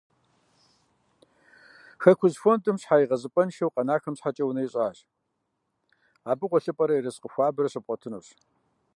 «Хэкужь» фондым щхьэегъэзыпӏэншэу къэнахэм щхьэкӏэ унэ ищӏащ. Абы гъуэлъыпӏэрэ ерыскъы хуабэрэ щыбгъуэтынущ.